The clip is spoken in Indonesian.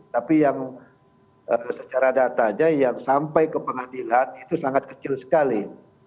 tapi yang secara datanya yang sampai ke pengadilan itu sangat kecil sekali